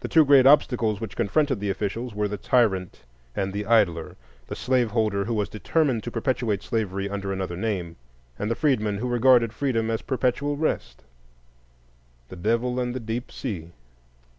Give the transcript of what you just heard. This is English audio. The two great obstacles which confronted the officials were the tyrant and the idler,—the slaveholder who was determined to perpetuate slavery under another name; and, the freedman who regarded freedom as perpetual rest,—the Devil and the Deep Sea.